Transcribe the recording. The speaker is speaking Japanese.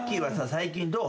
最近どう？